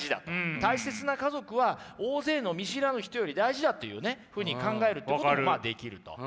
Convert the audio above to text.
大切な家族は大勢の見知らぬ人より大事だというふうに考えるということもまあできると。